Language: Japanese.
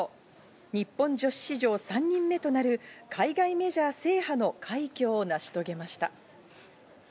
日本女子史上３人目となる海外メジャー制覇の快挙を成し遂げました。